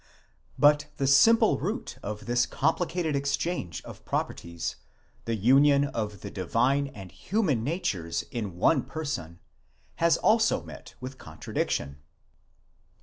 But the simple root of this complicated exchange of properties, the union of the divine and human natures in one person, has also met with contradiction.